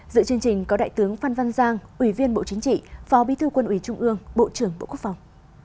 dự chương trình có đại tướng phan văn giang ủy viên bộ chính trị phó bí thư quân ủy trung ương bộ trưởng bộ quốc phòng